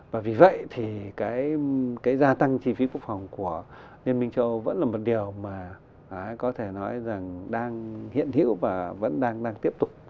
và vì vậy thì cái gia tăng chi phí quốc phòng của liên minh châu âu vẫn là một điều mà có thể nói rằng đang hiện hữu và vẫn đang tiếp tục